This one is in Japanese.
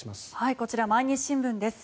こちら、毎日新聞です。